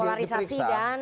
polarisasi dan politik